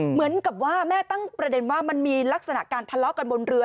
เหมือนกับว่าแม่ตั้งประเด็นว่ามันมีลักษณะการทะเลาะกันบนเรือ